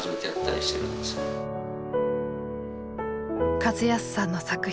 和康さんの作品。